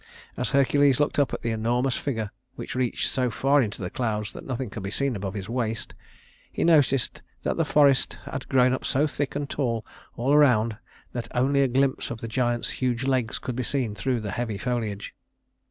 As Hercules looked up at the enormous figure, which reached so far into the clouds that nothing could be seen above his waist, he noticed that the forests had grown up so thick and tall all around that only a glimpse of the giant's huge legs could be seen through the heavy foliage.